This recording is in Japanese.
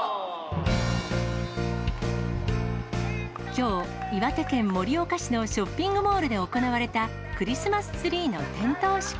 きょう、岩手県盛岡市のショッピングモールで行われたクリスマスツリーの点灯式。